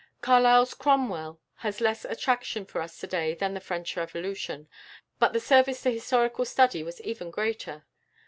Carlyle's "Cromwell" has less attraction for us to day than the "French Revolution"; but the service to historical study was even greater.